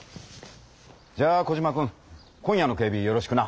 じゃあコジマくん今夜の警備よろしくな。